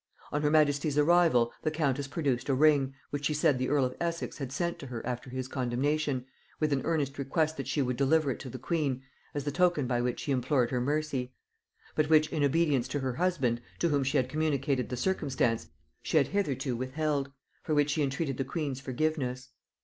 On her majesty's arrival, the countess produced a ring, which she said the earl of Essex had sent to her after his condemnation, with an earnest request that she would deliver it to the queen, as the token by which he implored her mercy; but which, in obedience to her husband, to whom she had communicated the circumstance, she had hitherto withheld; for which she entreated the queen's forgiveness.